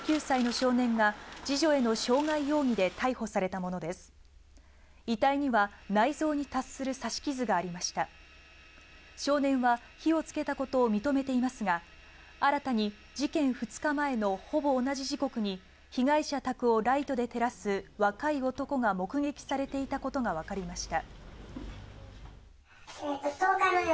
少年は火を付けたことを認めていますが新たに事件２日前のほぼ同じ時刻に被害者宅をライトで照らす若い男が目撃されていたことが分かりました。